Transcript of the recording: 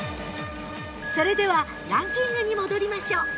それではランキングに戻りましょう